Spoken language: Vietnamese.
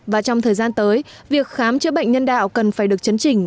và trong thời gian tới việc khám chữa bệnh nhân đạo cần phải được chấn chỉnh